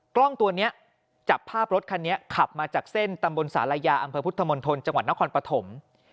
กล้องตัวนี้จับภาพรถคันนี้ขับมาจากเส้นตำบลศาลายาอำเภอพุทธมณฑลจังหวัดนครปฐม